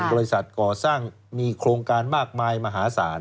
บริษัทก่อสร้างมีโครงการมากมายมหาศาล